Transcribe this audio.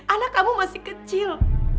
anak kamu masih kecil